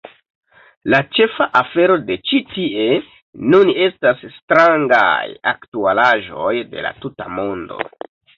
La ĉefa afero de Ĉi Tie Nun estas "strangaj aktualaĵoj de la tuta mondo.